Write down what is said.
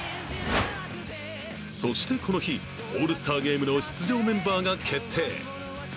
そしてこの日、オールスターゲームの出場メンバーが決定。